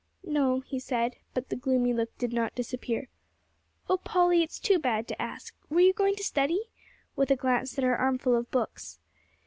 "No," he said, but the gloomy look did not disappear. "Oh Polly, it's too bad to ask, were you going to study?" with a glance at her armful of books.